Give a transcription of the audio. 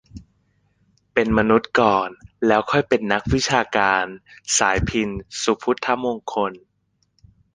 "เป็นมนุษย์ก่อน แล้วค่อยเป็นนักวิชาการ" - สายพิณ ศุพุทธมงคล